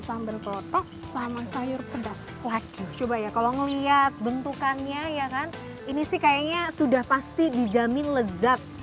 yang pedas lagi coba ya kalau ngelihat bentukannya ya kan ini sih kayaknya sudah pasti dijamin lezat